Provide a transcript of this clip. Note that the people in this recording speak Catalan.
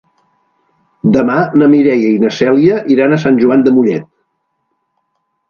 Demà na Mireia i na Cèlia iran a Sant Joan de Mollet.